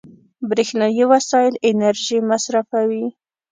برېښنایي وسایل انرژي مصرفوي.